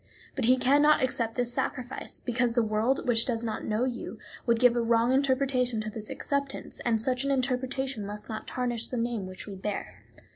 But he can not accept this sacrifice, because the world, which does not know you, would give a wrong interpretation to this acceptance, and such an interpretation must not tarnish the name which we bear.